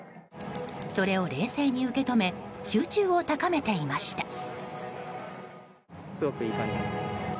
それを冷静に受け止め集中を高めていました。